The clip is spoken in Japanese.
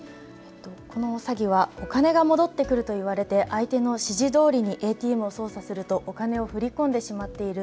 この詐欺はお金が戻ってくると言われて相手の指示どおりにＡＴＭを操作するとお金を振り込んでしまっている。